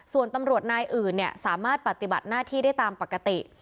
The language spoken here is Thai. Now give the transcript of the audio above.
ส่วนตำรวจนายอื่นสามารถปฏิบัติหน้าที่ได้ตามปกติ